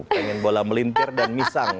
pengen bola melintir dan misang